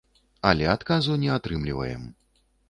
Але адказу не атрымліваем.